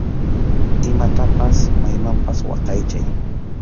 Imatapas maymanpas waqaychay.